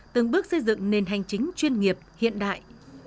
từng bước xây dựng nền hành chính chuyên nghiệp hiện đại